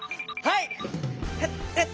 はい！